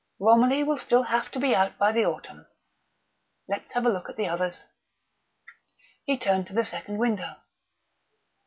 "Romilly will still have to be out by the autumn. Let's have a look at the others." He turned to the second window.